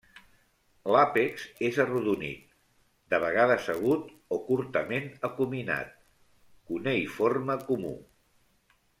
L'àpex és arrodonit, de vegades agut o curtament acuminat; cuneïforme comú.